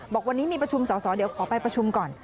บอกวันนี้มีประชุมสอสอเดี๋ยวขอไปประชุมก่อน